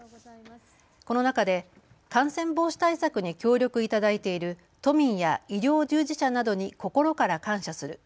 この中で感染防止対策に協力いただいている都民や医療従事者などに心から感謝する。